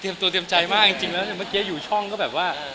ตัวเตรียมใจมากจริงแล้วเมื่อกี้อยู่ช่องก็แบบว่า